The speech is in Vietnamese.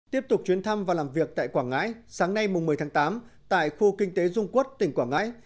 tiếp tục chuyến thăm và làm việc tại quảng ngãi sáng nay một mươi tháng tám tại khu kinh tế dung quốc tỉnh quảng ngãi